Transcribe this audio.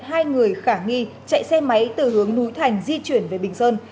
hai người khả nghi chạy xe máy từ hướng núi thành di chuyển về bình sơn